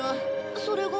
それが？